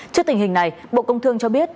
trước tình hình này bộ công thương cho biết